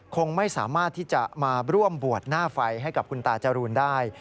คงไม่สามารถที่จะมาร่วมบวชหน้าไฟให้กับคุณตาจรูนได้